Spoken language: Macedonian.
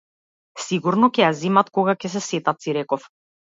Сигурно ќе си ја земат, кога ќе се сетат, си реков.